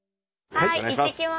はいいってきます！